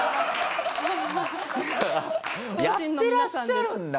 やってらっしゃるんだ！